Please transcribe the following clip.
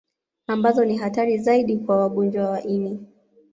Ambazo ni hatari zaidi kwa wagonjwa wa ini